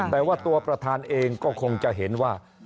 แต่ว่าตัวประธานเองก็คงจะเห็นว่า